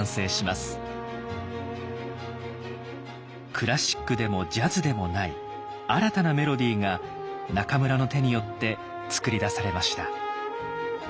クラシックでもジャズでもない新たなメロディーが中村の手によって作り出されました。